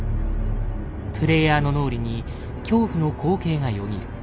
プレイヤーの脳裏に恐怖の光景がよぎる。